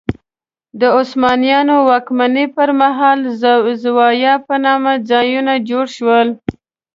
د عثمانیانو واکمنۍ پر مهال زوايا په نامه ځایونه جوړ شول.